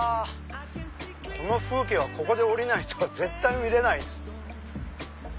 この風景はここで降りないと絶対見れないです。